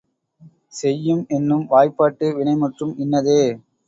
செய்யும் என்னும் வாய்பாட்டு வினைமுற்றும் இன்னதே.